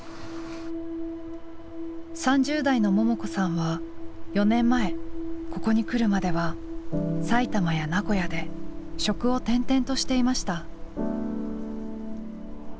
３０代のももこさんは４年前ここに来るまでは埼玉や名古屋で職を転々としていました。